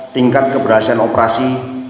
tingkat keberhasilan operasi